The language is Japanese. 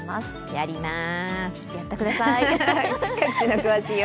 やりまーす。